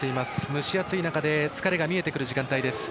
蒸し暑い中で疲れが見えてくる時間帯です。